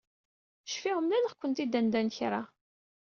Cfiɣ mlaleɣ-kent-id anda n kra.